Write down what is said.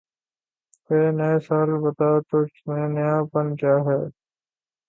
اے نئے سال بتا، تُجھ میں نیا پن کیا ہے؟